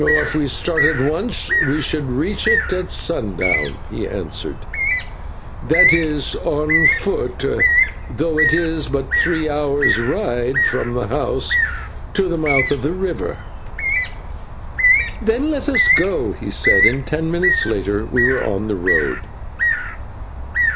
"If we start at once we should reach it at sundown," he answered, "that is on foot, though it is but three hours' ride from the house to the mouth of the river." "Then let us go," he said, and ten minutes later we were on the road.